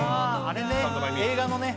あれね映画のね